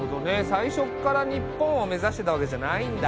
最初から日本を目指してたわけじゃないんだ。